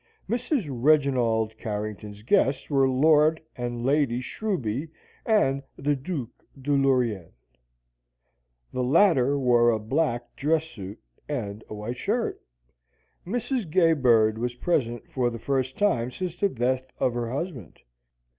Mrs. Reginald Carrington's guests were Lord and Lady Shrewby and the Duc de Vaurien. The latter wore a black dress suit and a white shirt. Mrs. Gaybird was present for the first time since the death of her husband.